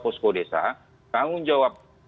posko desa tanggung jawab